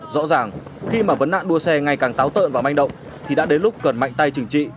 rõ ràng khi mà vấn nạn đua xe ngày càng táo tợn và manh động thì đã đến lúc cần mạnh tay chừng trị